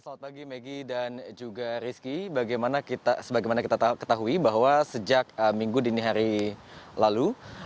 selamat pagi maggie dan juga rizky sebagaimana kita ketahui bahwa sejak minggu dini hari lalu